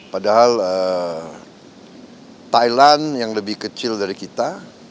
padahal thailand yang lebih kecil dari kita